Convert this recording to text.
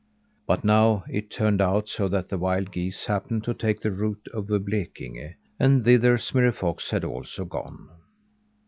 But now it turned out so that the wild geese happened to take the route over Blekinge and thither Smirre Fox had also gone.